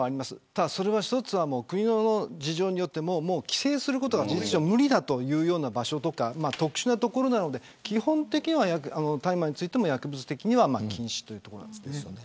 ただそれは国の事情によって規制することが事実上無理だというような場所とか特殊な所なので基本的には大麻についても薬物的には禁止です。